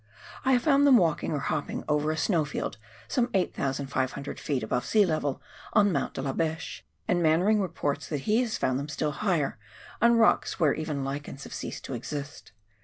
I have found them walking or hopping over a snow field some 8,500 ft. above sea level on Mount De la Beche, and Mannering reports that he has found them still higher, on rocks where even lichens have ceased to exist.